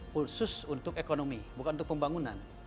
khusus untuk ekonomi bukan untuk pembangunan